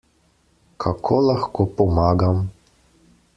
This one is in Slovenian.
Kako lahko pomagam?